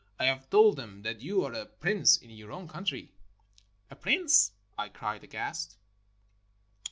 I have told them that you are a prince in your own country." "A prince!" I cried aghast.